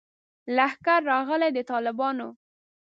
لښکر راغلی د طالبانو